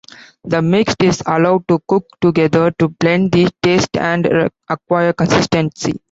The mixed is allowed to cook together to blend the tastes and acquire consistency.